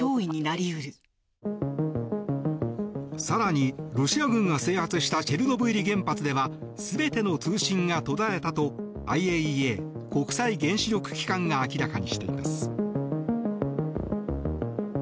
更に、ロシア軍が制圧したチェルノブイリ原発では全ての通信が途絶えたとＩＡＥＡ・国際原子力機関が明らかにしています。